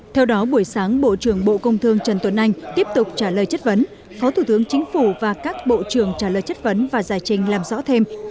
theo đó buổi sáng bộ trưởng bộ công thương trần tuấn anh tiếp tục trả lời chất vấn phó thủ tướng chính phủ và các bộ trưởng trả lời chất vấn và giải trình làm rõ thêm